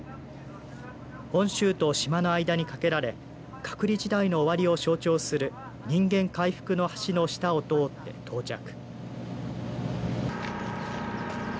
本州と島の間に架けられ隔離時代の終わりを象徴する人間回復の橋の下を通って到着。